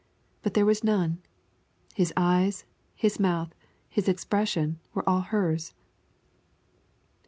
But there was none. His eyes, his mouth, his expression, were all hers.